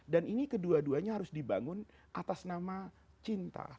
dan ini kedua duanya harus dibangun atas nama cinta